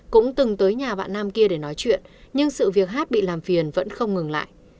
cũng từng tới nhà bạn nam kia để nói chuyện nhưng sự việc hát bị làm phiền vẫn không ngừng lại